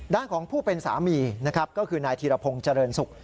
ด้านของผู้เป็นสามีนะครับก็คือนายธีรพงศ์เจริญศุกร์